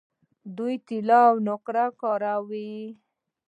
دوی طلا او نقره کاروي.